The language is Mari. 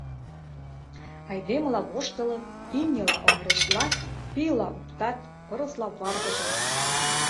Айдемыла воштылыт, имньыла оҥырешлат, пийла оптат, пырысла варгыжыт.